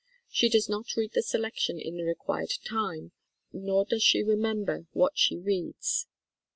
She does not read the selection in the required time, nor does she remember what she reads.